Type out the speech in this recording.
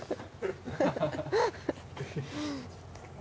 ハハハッ。